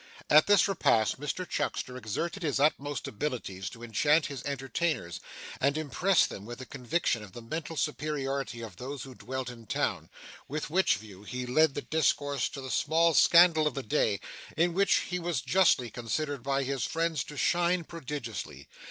At this repast, Mr Chuckster exerted his utmost abilities to enchant his entertainers, and impress them with a conviction of the mental superiority of those who dwelt in town; with which view he led the discourse to the small scandal of the day, in which he was justly considered by his friends to shine prodigiously.